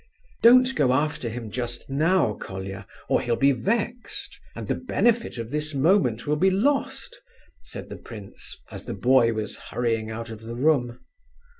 "Don't go after him just now, Colia, or he'll be vexed, and the benefit of this moment will be lost!" said the prince, as the boy was hurrying out of the room.